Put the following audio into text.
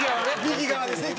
右側ですね。